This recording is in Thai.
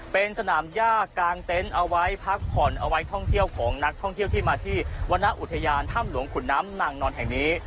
เป็นสนามย่ากางเต็นต์เอาไว้พักผ่อนเอาไว้ท่องเที่ยวของนักท่องเที่ยวที่มาที่วรรณอุทยานถ้ำหลวงขุนน้ำนางนอนแห่งนี้